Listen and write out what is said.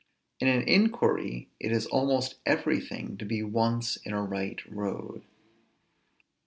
In an inquiry it is almost everything to be once in a right road.